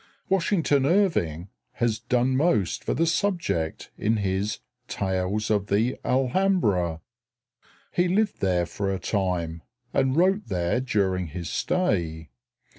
Washington Irving has done most for the subject in his "Tales of the Alhambra." He lived there for a time, and wrote there during his stay.